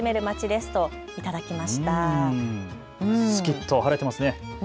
すきっと晴れてますね。